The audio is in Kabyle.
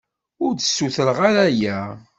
Ur d-ssutreɣ ara aya.